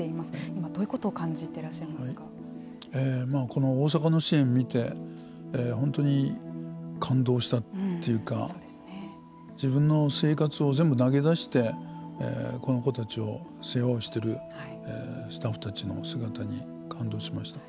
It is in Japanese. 今、どういうことをこの大阪の支援を見て本当に感動したというか自分の生活を全部投げ出してこの子たちを世話をしているスタッフたちの姿に感動しました。